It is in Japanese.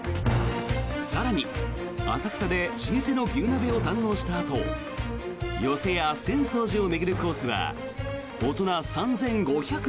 更に、浅草で老舗の牛鍋を堪能したあと寄席や浅草寺を巡るコースは大人３５００円。